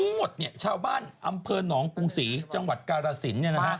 หมดชาวบ้านอำเภอหนองกรุงศรีจังหวัดกาลสิน